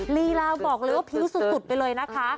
ลีลาบอกเลยว่าพิ้วสุดไปเลยนะคะ